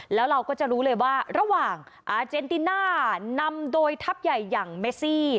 แล้วเราก็จะรู้เลยว่าระหว่างอาเจนติน่านำโดยทัพใหญ่อย่างเมซี่